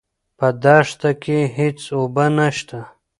په دښته کې هېڅ اوبه نشته.